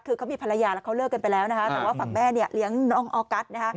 คือเขามีภรรยาแล้วเขาเลิกกันไปแล้วแต่ว่าฝั่งแม่เลี้ยงน้องออกัส